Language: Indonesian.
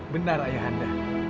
benar ayah handa